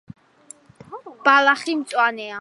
ბალახი მწვანეა